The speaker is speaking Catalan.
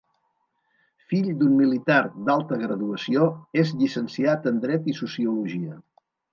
Fill d'un militar d'alta graduació, és llicenciat en Dret i Sociologia.